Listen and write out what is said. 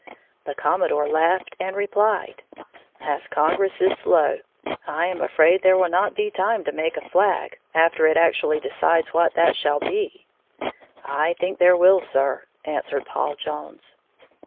The commodore laughed and replied: "As Congress is slow, I am afraid there will not be time to make a flag after it actually decides what that shall be." "I think there will, Sir," answered Paul Jones.